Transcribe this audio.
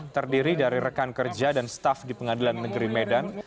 terdiri dari rekan kerja dan staf di pengadilan negeri medan